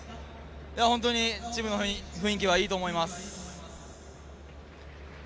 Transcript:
本当にチームの雰囲気はいいと思います。